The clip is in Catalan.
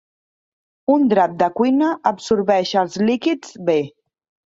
Un drap de cuina absorbeix els líquids bé.